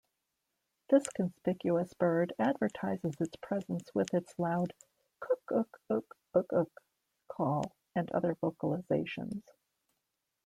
This conspicuous bird advertises its presence with its loud "Kuk-uk-uk-uk-uk" call and other vocalisations.